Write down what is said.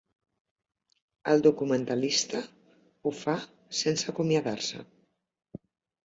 El documentalista ho fa sense acomiadar-se.